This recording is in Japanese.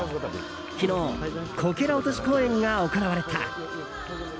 昨日、こけら落とし公演が行われた。